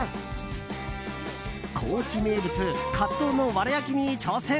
高知名物カツオのわら焼きに挑戦。